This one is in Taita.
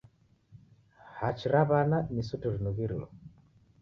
Haki ra w'ana ni suti rinughilo.